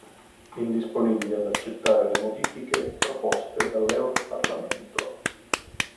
Indisponibili ad accettare le modifiche proposte dall'Europarlamento.